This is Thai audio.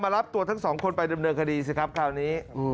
รับตัวทั้งสองคนไปดำเนินคดีสิครับคราวนี้